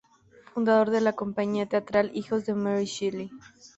Fundador de la "Compañía Teatral Hijos de Mary Shelley".